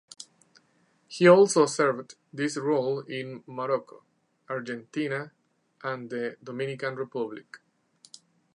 He also served this role in Morocco, Argentina and the Dominican Republic.